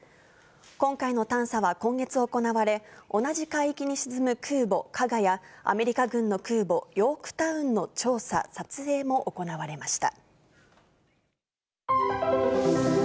今回の探査は、今月行われ、同じ海域に沈む空母加賀や、アメリカ軍の空母ヨークタウンの調査・撮影も行われました。